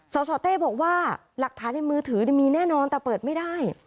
สสเต้บอกว่าหลักฐานในมือถือมีแน่นอนแต่เปิดไม่ได้